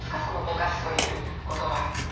そのぼかすということは。